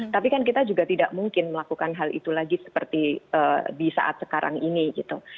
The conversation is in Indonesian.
tapi kan kita juga tidak mungkin melakukan hal itu lagi seperti di saat sekarang ini gitu